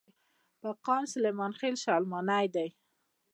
پۀ قام سليمان خيل، شلمانے دے ۔